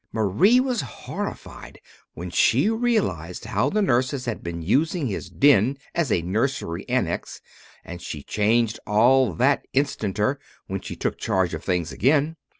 Marie was horrified when she realized how the nurses had been using his den as a nursery annex and she changed all that instanter, when she took charge of things again.